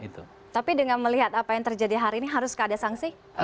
tapi dengan melihat apa yang terjadi hari ini haruskah ada sanksi